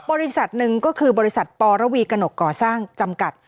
บริษัทหนึ่งก็คือบริษัทปรวีกระหนกก่อสร้างจำกัด